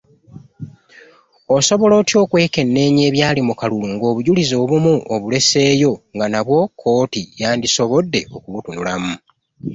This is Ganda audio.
Osobola otya okwekenneenya ebyali mu kalulu ng’obujulizi obumu obulesseeyo nga nabwo kkooti yandisobodde okubutunulamu?